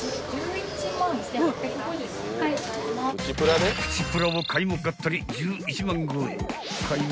［プチプラを買いも買ったり１１万超え］